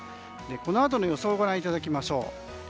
このあとの予想をご覧いただきましょう。